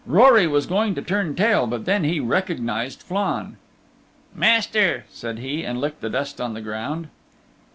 Rory was going to turn tail, but then he recognized Flann. "Master," said he, and he licked the dust on the ground.